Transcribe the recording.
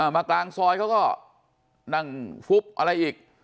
มากลางซอยเขาก็นั่งฟุบอะไรอีก